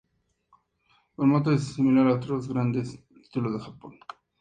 El formato es similar a otros grandes títulos en Japón.